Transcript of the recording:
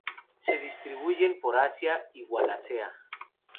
Se distribuyen por Asia y la Wallacea.